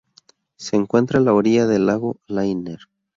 Se encuentra a la orilla del lago Lanier.